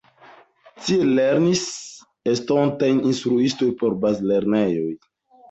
Tie lernis estontaj instruistoj por bazlernejoj.